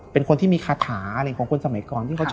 เพราะว่า